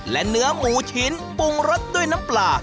และเนื้อหมูชิ้นปรุงรสด้วยน้ำปลา